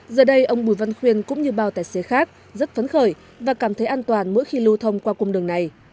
giờ đây ông bùi văn khuyên cũng như bao tài xế khác rất phấn khởi và cảm thấy an toàn mỗi khi lưu thông qua cung đường này